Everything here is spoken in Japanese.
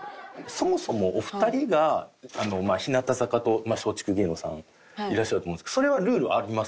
そもそもお二人がまあ日向坂と松竹芸能さんいらっしゃると思うんですけどそれはルールあります？